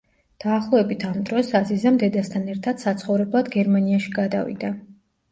დაახლოებით ამ დროს, აზიზამ დედასთან ერთად საცხოვრებლად გერმანიაში გადავიდა.